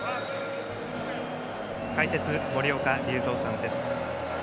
解説、森岡隆三さんです。